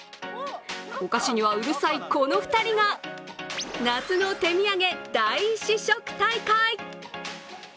お菓子にはうるさいこの２人が夏の手土産大試食大会。